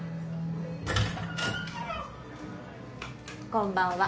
こんばんは。